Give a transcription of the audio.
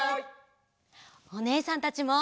おねえさんたちも。